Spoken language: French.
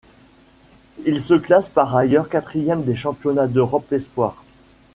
Il se classe par ailleurs quatrième des Championnats d'Europe espoirs.